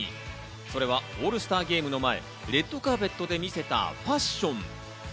それはオールスターゲームの前、レッドカーペッドで見せたファッション。